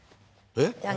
えっ？